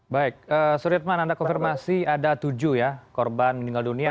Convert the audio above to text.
baik suriatman anda konfirmasi ada tujuh ya korban meninggal dunia